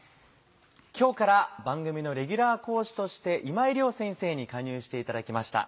今日から番組のレギュラー講師として今井亮先生に加入していただきました。